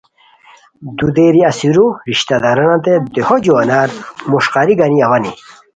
دودیری اسیرو رشتہ دارانانتے دیہو جوانان مݰقاری گانی اوانی